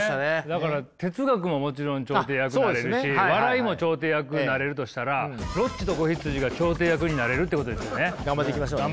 だから哲学ももちろん調停役になれるし笑いも調停役になれるとしたら「ロッチと子羊」が調停役になれるってことですよね。